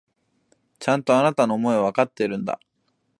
ちゃんと、あなたの思いはわかっているんだ。